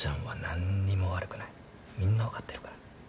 みんな分かってるから。